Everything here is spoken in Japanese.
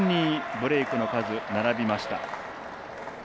ブレークの数、並びました。